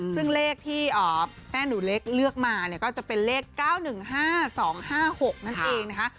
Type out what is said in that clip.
ซึ่งเลขที่แม่หนูเล็กเลือกมาเนี่ยก็จะเป็นเลข๙๑๕๒๕๖นั่นเองนะคะ